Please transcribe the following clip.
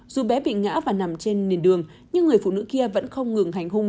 dù bé bị ngã và nằm trên nền đường nhưng người phụ nữ kia vẫn không ngừng hành hung